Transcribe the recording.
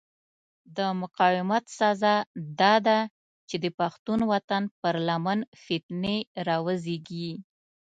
د مقاومت سزا داده چې د پښتون وطن پر لمن فتنې را وزېږي.